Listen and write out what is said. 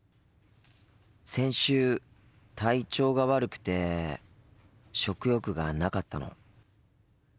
先週体調が悪くて食欲がなかったの。